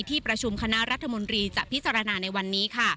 ที่ประชุมคณะรัฐมนตรีจะพิจารณาในวันนี้ค่ะ